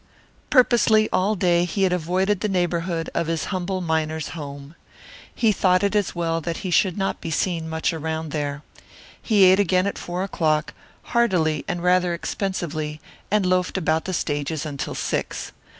Purposely all day he had avoided the neighbourhood of his humble miner's home. He thought it as well that he should not be seen much around there. He ate again at four o'clock, heartily and rather expensively, and loafed about the stages until six.